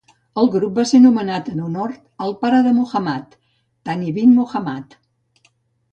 El grup va ser nomenat en honor al pare de Mohammad, Thani bin Mohammad.